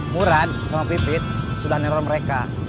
muran sama pipit sudah nerol mereka